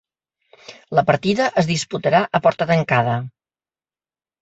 La partida es disputarà a porta tancada.